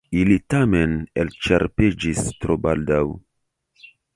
Ili tamen elĉerpiĝis tro baldaŭ.